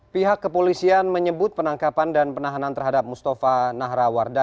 pihak kepolisian menyebut penangkapan dan penahanan terhadap mustafa nahrawarda